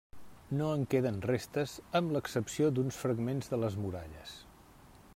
No en queden restes amb l'excepció d'uns fragments de les muralles.